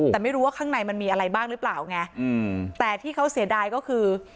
แต่ไม่รู้ว่าข้างในมันมีอะไรบ้างหรือเปล่าไงแต่ที่เขาเสียดายก็คือ